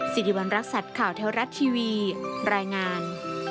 สิริวัณรักษัตริย์ข่าวเทวรัฐทีวีรายงาน